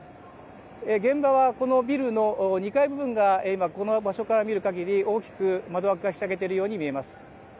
現場はこのビルの２階部分が今この場所から見るかぎり大きく窓枠がひしゃげているように見えます。